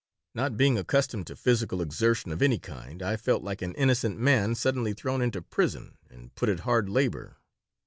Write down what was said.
Not being accustomed to physical exertion of any kind, I felt like an innocent man suddenly thrown into prison and put at hard labor.